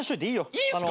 いいんすか！？